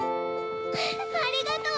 ありがとう！